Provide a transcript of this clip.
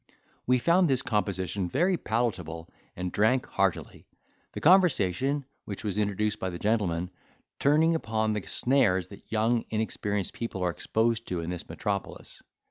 We found this composition very palateable, and drank heartily; the conversation, which was introduced by the gentleman, turning upon the snares that young inexperienced people are exposed to in this metropolis.